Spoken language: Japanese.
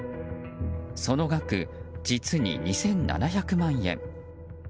その額、実に２７００万円。